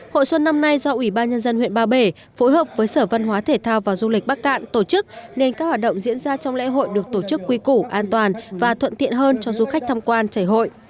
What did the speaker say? hội xuân năm nay do ủy ban nhân dân huyện ba bể phối hợp với sở văn hóa thể thao và du lịch bắc cạn tổ chức nên các hoạt động diễn ra trong lễ hội được tổ chức quy củ an toàn và thuận tiện hơn cho du khách tham quan chảy hội